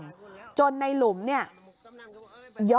พอหลังจากเกิดเหตุแล้วเจ้าหน้าที่ต้องไปพยายามเกลี้ยกล่อม